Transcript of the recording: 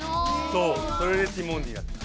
そうそれでティモンディになった。